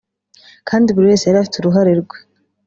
kandi buri wese yari afite uruhare rwe